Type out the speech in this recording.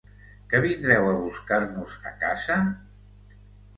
Que vindreu a buscar-nos a casa?